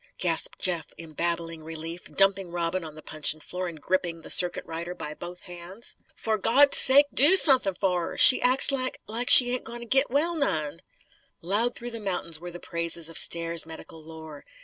gasped Jeff in babbling relief, dumping Robin on the puncheon floor and gripping the circuit rider by both hands. "For Gawd's sake, do suthin' fer her! She acts like like she ain't goin' to git well none!" Loud through the mountains were the praises of Stair's medical lore.